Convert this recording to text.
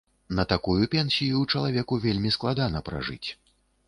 На такую пенсію чалавеку вельмі складана пражыць.